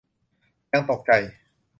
ยังตกใจ